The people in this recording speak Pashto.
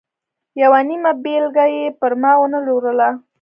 یوه نیمه بېلګه یې پر ما و نه لوروله.